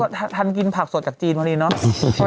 แล้วก็ทันกินผักสดจากจีนวันนี้นะ